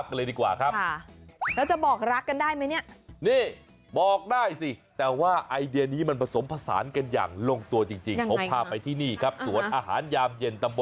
เพียบรังแม้แต่พนักงานเสิร์ฟก็ยังแต่งตัวเหมือนคุณหมอเลยด้วย